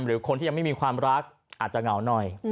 หรือคนที่ยังไม่มีความรักอาจจะเหงาหน่อย